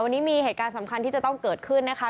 วันนี้มีเหตุการณ์สำคัญที่จะต้องเกิดขึ้นนะคะ